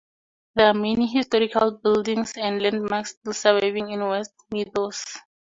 There are many historic buildings and landmarks still surviving in Westmeadows.